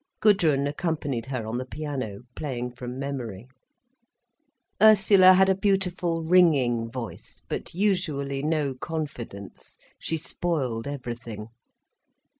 Gudrun accompanied her on the piano, playing from memory. Ursula had a beautiful ringing voice, but usually no confidence, she spoiled everything.